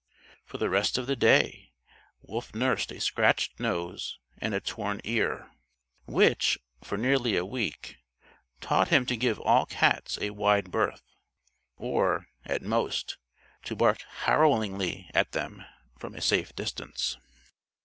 For the rest of the day Wolf nursed a scratched nose and a torn ear which, for nearly a week, taught him to give all cats a wide berth; or, at most, to bark harrowingly at them from a safe distance.